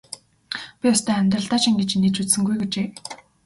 Би ёстой амьдралдаа ч ингэж инээж үзсэнгүй гэжээ.